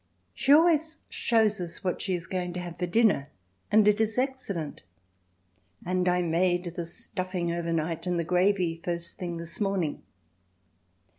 She always shows us what she is going to have for dinner and it is excellent—"And I made the stuffing over night and the gravy first thing this morning."